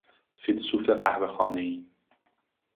فیلسوف قهوهخانهای